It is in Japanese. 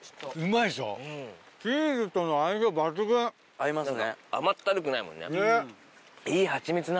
合いますね。